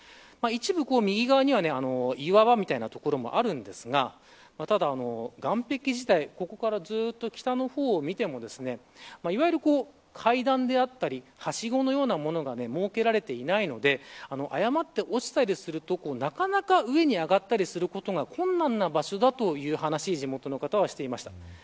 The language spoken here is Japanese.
一部、右側には岩場のような所もありますがただ、岸壁自体ここからずっと北の方を見てもいわゆる階段であったりはしごのようなものが設けられていないので誤って落ちたりするとなかなか上に上がったりすることが困難な場所だという話を地元の方はしていました。